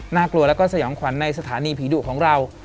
กลัวแล้วก็สยองขวัญในสถานีผีดุของเรา